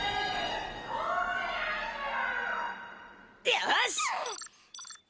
よし！